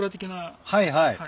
はいはい。